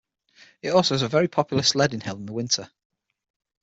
It also has a very popular sledding hill in the winter.